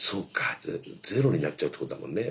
じゃあゼロになっちゃうってことだもんね。